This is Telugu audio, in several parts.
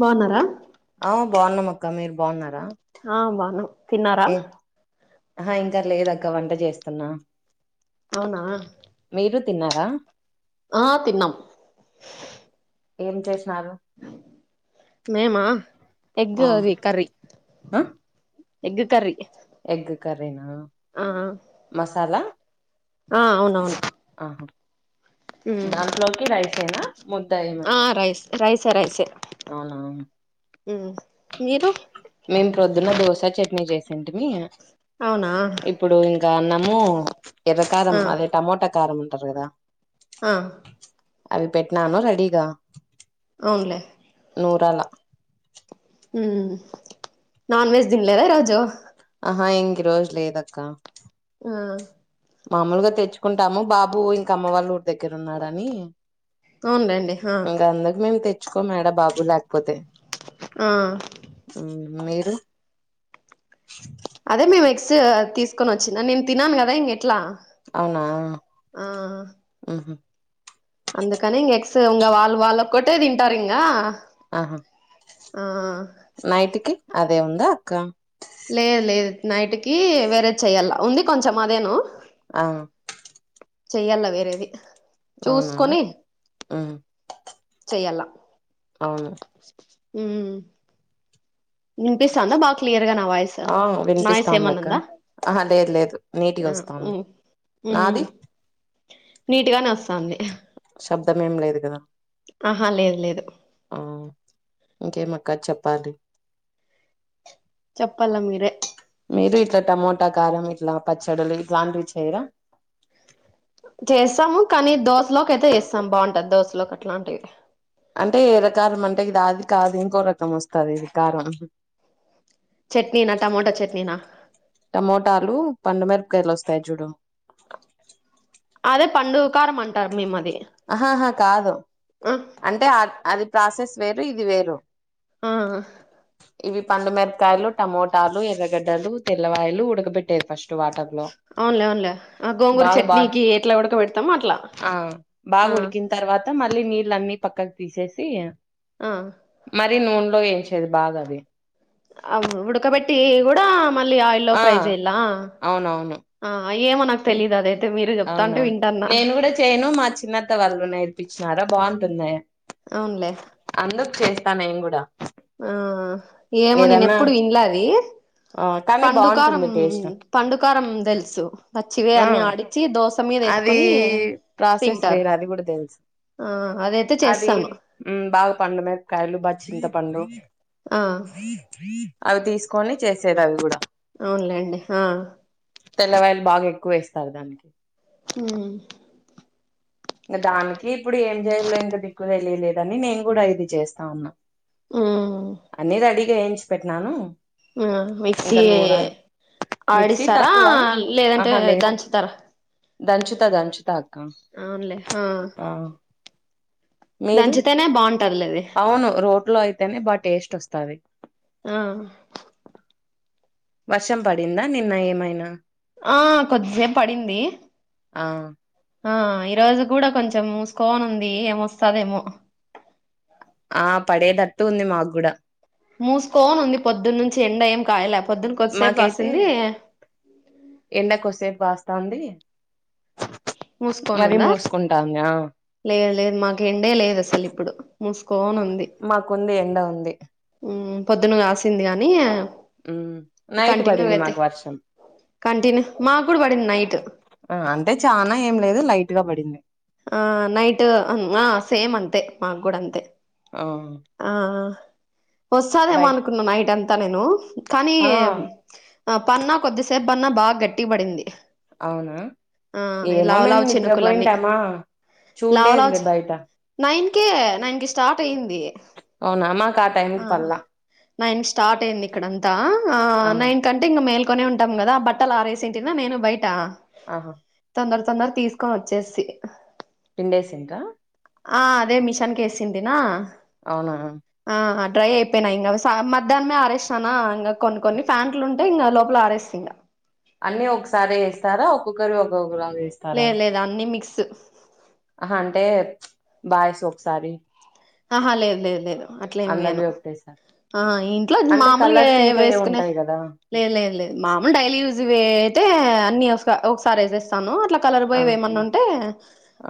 బాగున్నారా బాగున్నా మక్క మీరు బాగున్నారా ఆ బావున్నాం తిన్నారా ఏ ఆహా ఇంకా లేదక్క వంట చేస్తన్నా అవునా తిన్నారా ఆ తిన్నాం ఏం చేసినారు మేమా ఎగ్ ఆ అది కర్రీ ఆ ఎగ్ కర్రీ ఎగ్ కర్రీనా ఆ మసాలా ఆ అవునవును ఆహా ఉమ్ దాంట్లోకి రైస్ ఏనా ముద్ద ఆ ఏమైనా రైస్ రైసే అవునా హ్మ్ మీరు మేము ప్రొద్దున్న దోసా చట్నీ చేసేంటిమి అవునా ఇప్పుడు ఇంకా అన్నము ఎర్ర కారం ఆ అదే టమోటొ కారంమంటరు కదా ఆ అవి పెట్ నను రెడిగా అవునులే నూరాల ఉ నాన్ వెజ్ తినలేదా ఈ రోజు ఆహా ఇంక రోజు లేదక్క ఆ మాముూలుగా తెచ్చుకుంటాము బాబు ఇంక అమ్మ వాళ్ళు దగ్గర ఉన్నాడని అవునులేండి ఆ ఇంకా అందుకు మేము తెచ్ చ్చుకోమేడ బాబు లేకపోతే ఆ మీరు అదే మేము ఎక్స్ట్ తీసుకొని వచ్చింన నేను తినను కదా ఇంక ఎట్లా అవునా అందుకనీ ఇంగ ఎక్స్ వాళ వాళ్ళ కొటే తింటారింగ ఆహా నైట్కి అదే ఉందా అక్క లేదు లేదు నైట్ కి వేరే చెయ్యాల ఉంది కొంచెం అదేను ఆ చెయ్యాల వేరేది అవునా చూసుకొని ఉమ్ చెయ్యాల అవును ఉ వినిపిస్తంద [unintelligible] నా వయిస్ ఆ నాయిస్ వినిపిస్తాంది ఏమన్నా అక్క ఉందా ఆహా లేదు లేదు నీటిగా వస్తాంది ఉ నాది నీట్గానే వస్తంది శబ్దం ఏం లేదు కదా ఆహా లేదు లేదు ఆ ఇంకేం అక్క చెప్పాలి చప్పల మీరే మీరు ఇట్లా టమోటా కారం ఇట్లా పచ్చడిలు ఇట్లాంటివి చేయరా చేస్తాము కానీ దోశలోకి అయితే చేస్తాం [unintelligible] అట్లాంటివి అంటే ఎర్ర కారం అంటే ఇది అది కాదు ఇంకో రకం వస్తది ఇది కారం చట్నీనా టమోటా చట్నీనా టమోటాలు పండు [unintelligible] కాయలు వస్తాయి చూడు అదే పండు కారం అంటారు మి ఆహాహా కాదు అంటే అది ప్రాసెస్ వేరు ఇది వేరు ఆ ఇవి పండుమిరపకాయలు టమోటాలు ఎర్రగడ్డలు తెల్లవాయలు ఉడకబెట్టేవి ఫస్ట్ వాటర్ లో అవున్లే అవున్లే ఆ గోంగూరు బాగా బా చట్నీకి ఎట్లా ఉడకబెడతామో అట్లా బాగ ఆ ఉడికిన తర్వాత మళ్ళీ నీళ్ళ అన్నీ పక్కకు తీసేసి ఆ నూనెలో వేంచేది బాగా అది ఆ ఉుడకబెట్టి కూడ మళ్ళీ ఆయిల్ ఆ ఫ్రై చేయాలా అవునవును ఏమో నాకు తెలీదు అదైతే మీరు చెప్తాంటే అవునా వింటాన్నా నేను కూడా చేయను మా చిన్నత్త వాళ్ళు నేర్పించినారు బాగుంటుంది అవునులే అందుకు చేస్తా నేను కూడ ఆ ఏమో నేను ఎప్పుడు విన్ల అది ఆ, కానీ పండుకారం బాగుంటుంది టేస్ట్ పండుకారం తెలుసు పచ్చివే ఆ అన్ని ఆడిచి దోస అది ప్రాసెస్ వేరు అది కూడ తెలుసు ఆ అదైతే అది చేస్తాను బాగ పండు మేరీపకాయలు బాగా చింత పం డు ఆ అవి తీసుకొని చేసేది అవి కూడా అవునులేండి ఆ తెల్లవాయలు బాగా ఎక్కువ వేస్తారు దానికి ఉమ్ ఇంక దానికి ఇప్పుడు ఏం చేయలో ఇంక దిక్కు తెలియలేదని నేను కూడా ఇది చేస్తా ఉన్నా ఉమ్ అన్నీ రెడీగా వేయించి పెట్టినాను ఆ మిక్సి ఇంకా నూరాలు మిక్సీ ఆడిస్తారా తక్కువ లేదంటే ఆహా లేదు దంచుతారా దంచుతా దంచుతా అక్క అవునులే ఆ మీరు దంచుతానే బాగుంటది లే అవును రోట్లో అయితేనే బా టేస్ట్ వస్తది ఆ వర్షం పడిందా నిన్న ఏమైనా ఆ కొద్దిసేపు పడింది ఆ ఆ ఈ రోజు కూడా కొంచెం మూసుకోను ఉంది ఏమొస్తదొ ఏమో ఆ పడేదట్టు ఉంది మాకు గూడా మూసుకోని ఉంది పొద్దున్న నుంచి ఎండ ఏం కాయలా పొద్దున్న కొద్దిసేపు మాకైతే కాసింది ఎండ కోసేపు కాస్తాంది మూసుకోని మరి ఉందా మూసుకుంటాంది లేదు లేదు మాకు ఎండే లేదు అసలు ఇప్పుడు మూసుకోని ఉంది మాకుంది ఎండ ఉంది పొద్దున్న కాసింది గానీ ఉమ్ నైట్ పడింది మాకు వర్షం కంటిన్యూ మా కూడా పడింది నైట్ ఆ అంటే చానా ఏం లేదు లైట్ గా పడింది ఆ నైట్ ఆ సేమ్ అంతే మాగ్ గూడ అంతే ఆ ఆ ఆ వస్తాదేమో బయట అనుకున్నా నైట్ అంతా నేను కానీ ఆ ఆ పన్నా కొద్ది సేప్ సేప్బ్బన్న బాగా గట్టిగ పడింది అవునా ఆ ఈ ఏమో లావు మేము లావు చినుకులన్నీ నిద్రపోయింటామా చూళ్ళేదులే బయట నైన్కే నైన్ కి స్టార్ట్ అయింది అవునా మాకు టైం ఆ కి పల్లా నైన్ స్టార్ట్ అయింది ఇక్కడంతా ఆ నైన్ కంటే ఇంకా మెల్ కోనే ఉంటాం కదా బట్టలు ఆరేసింటినా నేను బయట ఆహా తొందర తొందర తీసుకొని వచ్చేస్తి పిండేసింకా ఆ అదే మిషన్ కేసింటినా అవునా ఆ డ్రై అయిపోయినాయి ఇంగా సా మధ్యాహ్నమే ఆరేస్తానా ఇంకా కొన్ని కొన్ని ఫ్యాంట్లు ఉంటే ఇంకా లోపల ఆరేస్తి ఇంగా అన్ని ఒకసారే వేస్తారా ఒక్కొక్కరు ఒక్కొక్కరా లేదు లేదు అన్ని మిక్స్ ఆహా అంటే బాయ్సవి ఒకసారి ఆహా లేదు లేదు లేదు అట్లే ఏమి వేయను అందర్వీ ఒకటే సారి ఆ ఇంట్లో మ్ మామూలుగా ఏ వేసుకునే ఉంటాయి కదా లేదు లేదు లేదు మాములు డైలీ యూజ్వే అయితే అన్ని ఒక ఒకసారి వేసేస్తాను అట్లా కలర్ ఆ బోయేవేమన్నా ఉంటే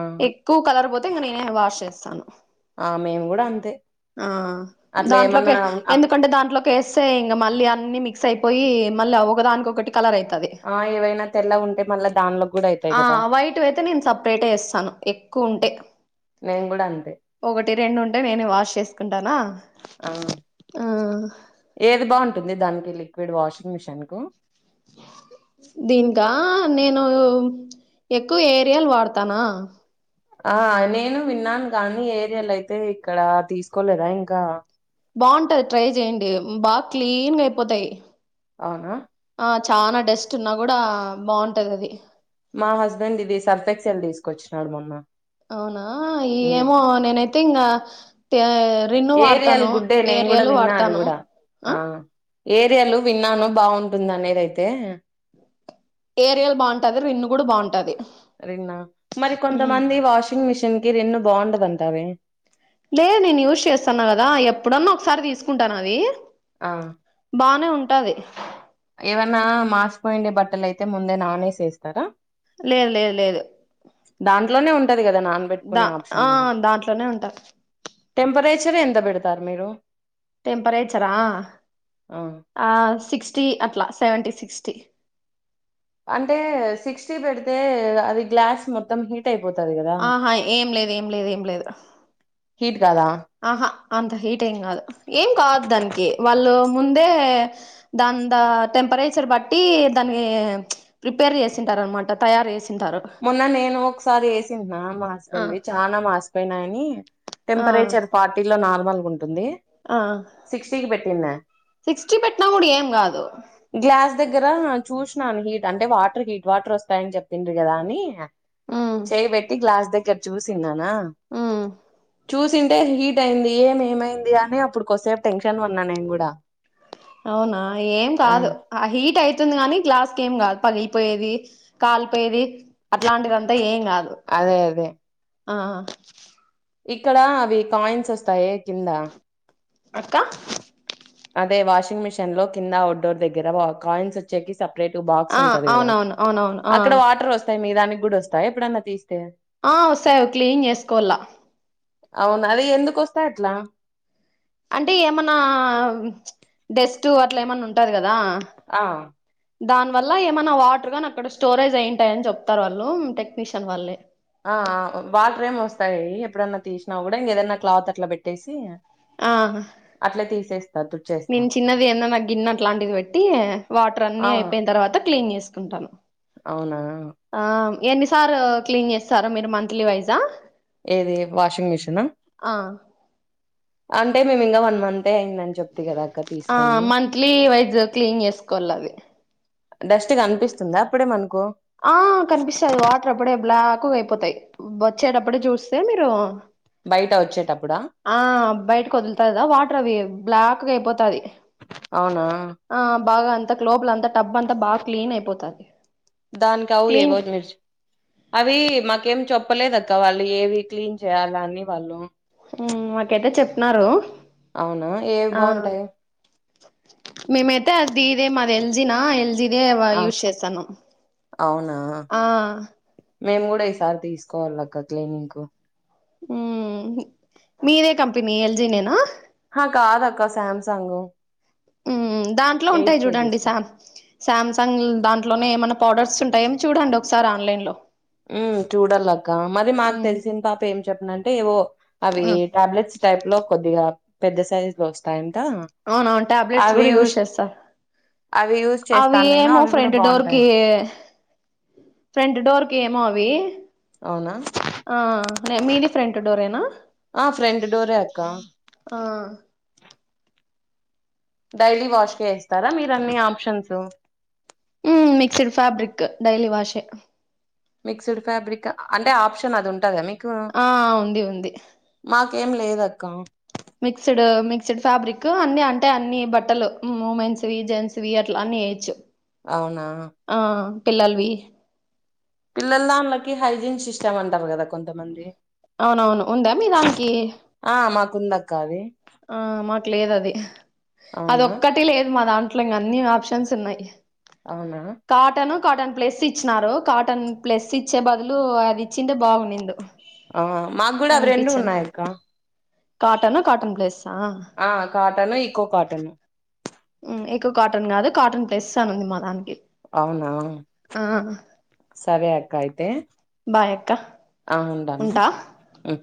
ఆ ఎక్కువ కలర్ పోతే ఇంగా నేనే వాష్ చేస్తాను ఆ మేము కూడా అంతే ఆ అట్లా ఏమన్నా దాంట్లోకి అప్ ఎందుకంటే దాంట్లోకేస్తే ఇంగా మళ్ళీ అన్ని మిక్స్ అయిపోయి మళ్ళీ ఒకదానికొకటి కలర్ అయితది ఆ ఏవైనా తెల్లగా ఉంటే మళ్ళా దానిలో కూడా అయితాయి కదా వైటు వైతే నేను సపరేట్ ఏస్తాను ఎక్కువ ఉంటే నేను గూడ అంతే అంటే నేనే వాష్ చేసుకుంటానా ఆ ఆ ఏది బాగుంటుంది దానికి లిక్విడ్ వాషింగ్ మిషన్ కు దీనికా నేను ఎక్కువ ఏరియల్ వాడతానా ఆ నేను విన్నాను గానీ ఏరియల్ అయితే ఇక్కడ తీసుకోలేదా ఇంకా బాగుంటది ట్రై చేయండి బాగా క్లీన్ గా అయిపోతాయి అవునా ఆ చానా డస్ట్ ఉన్నా కూడా బాగుంటది అది మా హస్బెండ్ ఇది సర్ఫ్ ఎక్సెల్ తీసుకొచ్చినాడు మొన్న అవునా ఉమ్. ఏమో నేనైతే ఇంగా త రిన్ను ఏరియల్ వాడతాను గుడ్డే ఏ నేను కూడా రియలు విన్నా అది వాడతాను కూడా ఆ ఏరియలు విన్నాను బాగుంటుంది అనేదైతే ఏరియలు బాగుంటాది రిన్ను కూడా బాగుంటాది రిన్నా మరి కొంతమంది వాషింగ్ మిషిన్ కి రిన్ను బాగుండదంటారే లే నేను యూస్ చేస్తాన్నా కదా ఎప్పుడన్నా ఒకసారి తీసుకుంటాను అది ఆ బానే ఉంటాది ఏవన్నా మాస్పోయిండి బట్టలు అయితే ముందే నానేసేస్తారా లేదు లేదు లేదు దాంట్లోనే ఉంటది కదా నానబెట్టుకునే దా ఆప్షన్ ఆ కూడా దాంట్లోనే ఉంటా టెంపరేచర్ ఎంత పెడతారు మీరు టెంపరేచరా ఆ ఆ సిక్స్టీ అ ట్లా సెవెంటీ సిక్స్టీ అంటే సిక్స్టీ పెడితే అది గ్లాస్ మొత్తం హీట్ అయి ఆహా ఏం లేదు ఏం లేదు ఏం లేదు కదా ఆహా అంత హీట్ ఏం కాదు ఏం కాదు దానికి వాళ్ళు ముందే దందా టెం పరేచర్ బట్టి దానికి ప్రీపేర్ చేసుంటారు అన్నమాట తయారు చేసి మొన్న నేను ఒకసారి వేసినా ఆ మాసిపోయనవీ చాల మాసిపొయ్యినయిని ఆ టెంపరేచర్ ఫార్టీ లో నార్మల్ గా ఉంటుంది ఆ సిక్స్టీ కి పెట్టిన సిక్స్టీ పెట్టినా కూడా ఏం కాదు గ్లాస్ దగ్గర చూసి హీట్ అంటే వాటర్ హీట్ వాటర్ వస్తాయని చెప్పిండ్రు కదా అని ఉమ్ చేయి పెట్టి గ్లాస్ దగ్గ ఇక్కడ చూసిన్నానా ఉమ్ చూసింటే హీట్ అయింది ఏం ఏమైంది అని అప్పుడు కొద్దిసేపు టెన్షన్ పన్నా నేను కూడా అవునా ఏం కాదు ఆ హీట్ అయితుంది గాని గ్లాస్ కేమీ కాదు పగిలి పోయేది కాలి పోయేది అట్లాంటిదంతా ఏం కాదు అదే అదే ఆ ఇక్కడ అవి కాయిన్స్ వస్తాయే కింద అక్క అదే వాషింగ్ మిషిన్ లో కింద అఔట్డోర్ దగ్గర వా కాయిన్స్ వచ్చేకి సపరేట్ బాక్స్ ఆ ఉంటది కదా అవునవును అవునవును ఆ అక్కడ వాటర్ వస్తాయి మీ దానికి కూడా వస్తాయి ఎప్పుడన్నా తీస్తే ఆ వస్తాయి అవి క్లీన్ చేసుకోవాల అవునా అదే ఎందుకొస్తాయి అట్లా అంటే ఏమన్నా డస్ట్ అట్ల ఏమన్నా ఉంటది కదా ఆ ఆ దాని వల్ల ఏమైనా వాటర్ గాని అక్కడ స్టోరేజ్ అయింటాయ్ అని చెప్తారు వాళ్ళు టెక్నీషియన్ వాళ్ళే ఆ వాటర్ ఏమో వస్తాయి ఎప్పుడన్నా తీసినా కూడా ఇంక ఏదైన క్లాత్ అట్లా పెట్టేసి ఆ అట్లా తీసేస్త నేను చిన్నది ఏదన్న గిన్నె అట్లాంటిది పెట్టి వాటర్ ఆ అన్ని అయిపోయిన తర్వాత క్లీన్ చేస్తాను ఉంటాను అవునా ఎన్నిసార్ క్లీన్ చేస్తారు మీరు మంత్లీ వైజా ఏది వాషింగ్ మిషిన్ నా ఆ అంటే మేము ఇంకా వన్ మంత్ అంతే అయిందని చెప్తే కదా అక్క ఆ తీసుకొని మంత్లీ వైజ్ క్లీన్ చేసుకోవాలి అవి డస్ట్ కనిపిస్తుందా అప్పుడే మనకు ఆ కనిపిస్తది వాటర్ అప్పుడే బ్లాక్ తక్కువైపోతాయి వచ్చేటప్పుడు చూస్తే మీరు బయట వచ్చేటప్పుడా ఆ బయటకి వదులుతారు గా వాటర్ అవి బ్లాక్ అయిపోతాది అవునా ఆ బాగా అంతాక లోపల అంతా టబ్బ అంతా బాగా క్లీన్ అయిపోతుంది దానికి అవు ఏ రోజు మర్చు అవి మాకేం చెప్పు చెప్పలేదక్క వాళ్ళు ఏవి క్లీన్ చేయాల అని వాళ్ళు హుమ్ మాకైతే చెప్పినరు అవునా ఏవి బాగుంటాయి మేమైతే అది ఇదే మాది ఎల్జీనా ఎల్జీ ఆ [unintelligible] యూస్ చేస్తాన్నాం అవునా ఆ మేము కూడా ఈసారి తీసుకోవాలక్క క్లీనింగ్ కు హమ్ మీదే కంపెనీ ఎల్ జీ నేనా హ కాదాక్క సామ్సంగ్ ఉమ్ దాంట్లో ఎయిట్ ఉంటాయి చూడండి కేజెస్ సా సామ్సంగ్ దాంట్లోనే ఏమైనా ప్రోడక్ట్స్ ఉంటాయేమో చూడండి ఒకసారి ఆన్లైన్ లో హుమ్ చూడలక్క మరి మాకు ఉమ్ తెలిసింది పాప ఏం చెప్పింది అంటే ఏవో అవి ఉమ్ టాబ్లెట్స్ టైప్ లో కొద్దిగా పెద్ద సైజ్ లో వస్తాయి అవున అవును ట్యాబ్లెట్స్ కూడా యూజ్ చేస్తారు అవి యూజ్ అవి చేస్తాను నేను ఏమో అవి కూడా ఫ్రంట్ బాగుంటాయి డోర్కి ఫ్రంట్ డోర్ ఏమో అవి అవునా ఆ మీది ఫ్రంట్ డోరే నా ఆ ఫ్రెంట్ డోరే అక్క ఆ డైలీ వాష్గా ఇస్తారా మీరు అన్ని ఆప్షన్స్ మిక్స్డ్ ఫాబ్రిక్ డైలీ వాష్షే మిక్స్డ్ ఫ్యాబ్రిక్ అంటే ఆప్షన్ అది ఉంటదా మీకు ఆ ఉంది ఉంది ఏం లేదక్క మిక్స్డ్ మిక్స్డ్ ఫ్యాబ్రిక్ అన్ని అంటే అన్ని బట్టలు మూమెన్స్వి జెంట్స్వి అట్లా అ అన్ని ఎయ్యచ్చు అవునా పిల్లలవి పిల్లల దాళ్ళకి హైజీన్ సిస్టమ్ అంటారు కదా కొంతమంది అవునవును ఉందా మీ దానికి ఉందక్క అవి ఆ మాకు లేదు అది అది అవునా ఒక్కటి లేదు మా దాట్ దాంట్లో ఇంకా అన్ని ఆప్షన్స్ ఉన్నాయి అవునా కాటన్ కాటన్ ప్లస్ ఇచ్చినారు కాటన్ ప్లస్ ఇచ్చే బదులు అది ఇచ్చింటే బాగునిండు ఆ మాకు కూడా అవి రెండూ అనిపించాను ఉన్నాయక్క కాటన్ కాటన్ ప్లేస్ ఆ కాటన్ ఈకో కాటన్ ఇ క కాటన్ కాదు కాటన్ ప్లెస్ అని ఉంది మా దానికి అవునా ఆ సరే అక్క అయితే బాయ్ అక్క ఆ ఉండను ఉంటా ఉ